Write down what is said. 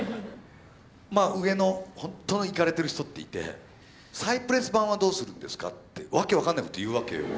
まあ上の本当のいかれてる人っていて「再プレス盤はどうするんですか」って訳分かんないこと言うわけよ。